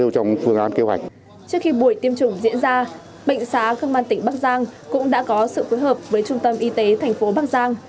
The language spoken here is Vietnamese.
trước khi buổi tiêm chủng diễn ra bệnh xá công an tỉnh bắc giang cũng đã có sự phối hợp với trung tâm y tế thành phố bắc giang